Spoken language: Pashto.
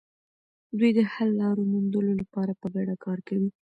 دوی د حل لارو موندلو لپاره په ګډه کار کوي.